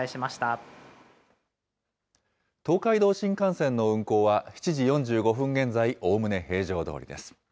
東海道新幹線の運行は、７時４５分現在おおむね平常どおりです。